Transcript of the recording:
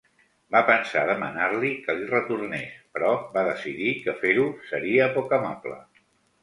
Va pensar a demanar-li que li retornés, però va decidir que fer-ho seria poc amable.